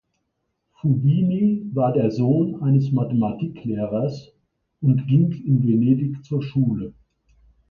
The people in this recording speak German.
Fubini war der Sohn eines Mathematiklehrers und ging in Venedig zur Schule.